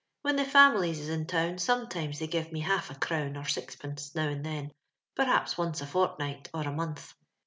When the funilies is in town sometimes they give me half a crown, or sixpence, now and then, perhaps once a fort night, or a month.